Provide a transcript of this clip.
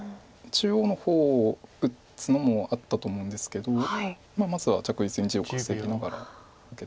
中央の方を打つのもあったと思うんですけどまずは着実に地を稼ぎながら受けたというところですか。